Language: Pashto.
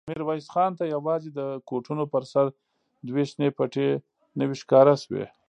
ميرويس خان ته يواځې د کوټونو پر سر دوې شنې پټې نوې ښکاره شوې.